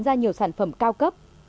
ra nhiều sản phẩm cao cấp